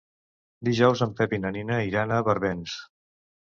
Dijous en Pep i na Nina iran a Barbens.